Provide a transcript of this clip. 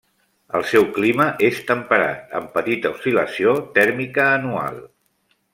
El seu clima és temperat amb petita oscil·lació tèrmica anual.